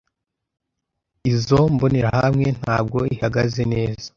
Izoi mbonerahamwe ntabwo ihagaze neza.